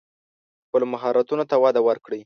خپلو مهارتونو ته وده ورکړئ.